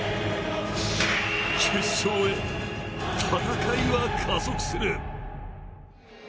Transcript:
決勝へ、戦いが加速する。